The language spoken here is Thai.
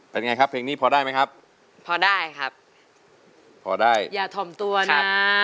เป็นไงครับเพลงนี้พอได้ไหมครับพอได้ครับพอได้อย่าถ่อมตัวนะ